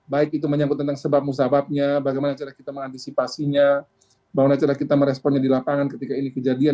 baik itu menyangkut tentang sebab musababnya bagaimana cara kita mengantisipasinya bagaimana cara kita meresponnya di lapangan ketika ini kejadian